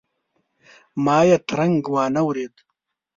ما یې ترنګ وانه ورېد.